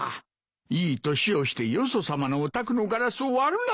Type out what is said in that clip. いい年をしてよそさまのお宅のガラスを割るなんて。